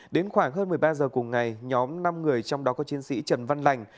đến khoảng hơn một mươi ba h cùng ngày nhóm năm người trong đó có chiến sĩ trần văn lành